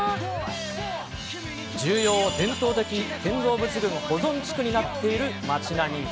重要伝統的建造物群保存地区になっている町並み。